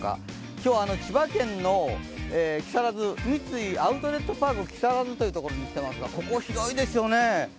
今日、千葉県の木更津、三井アウトレットパーク木更津というところに来ていますがここは広いですよね。